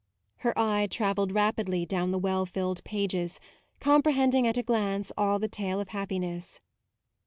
Her eye travelled rapidly down the well filled pages, comprehending at a glance all the tale of happiness.